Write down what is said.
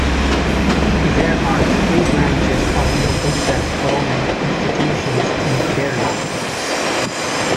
There are three branches of local self-government institutions in Kerala.